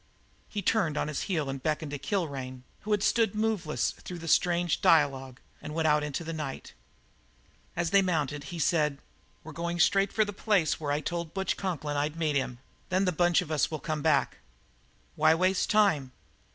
He turned on his heel, beckoned to Kilrain, who had stood moveless through the strange dialogue, and went out into the night. As they mounted he said: "We're going straight for the place where I told Butch Conklin I'd meet him. Then the bunch of us will come back." "Why waste time?"